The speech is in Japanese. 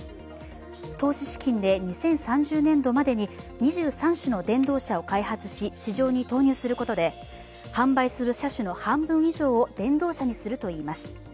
投資資金で２０３０年度までに２３種の電動車を開発し市場に投入することで販売する車種の半分以上を電動車にするといいます。